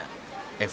f rizal jakarta